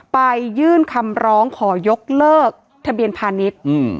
ยื่นคำร้องขอยกเลิกทะเบียนพาณิชย์